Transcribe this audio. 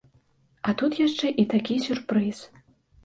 А тут яшчэ і такі сюрпрыз!